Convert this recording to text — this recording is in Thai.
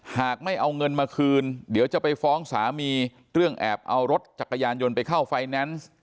หากไม่เอาเงินมาคืนเดี๋ยวจะไปฟ้องสามีเรื่องแอบเอารถจักรยานยนต์ไปเข้าไฟแนนซ์